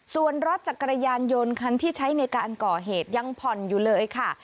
ส่วนรถจักรยานยนต์คันที่ใช้ในการก่อเหตุยังผ่อนอยู่เลยค่ะ